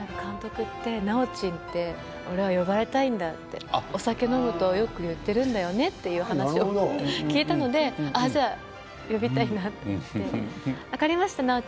監督って、ナオチンって俺は呼ばれたいんだってお酒を飲むとよく言ってたんだよねっていう話を聞いたのでじゃあ呼びたいなって分かりました。